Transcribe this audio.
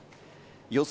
予想